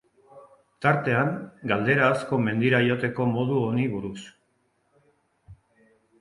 Tartean, galdera asko mendira joateko modu honi buruz.